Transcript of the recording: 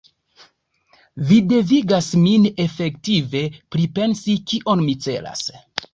Vi devigas min efektive pripensi, kion mi celas.